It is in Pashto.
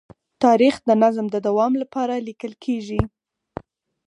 تاریخ د نظم د دوام لپاره لیکل کېږي.